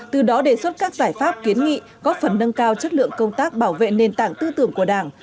từ đó đề xuất các giải pháp kiến nghị góp phần nâng cao chất lượng công tác bảo vệ nền tảng tư tưởng của đảng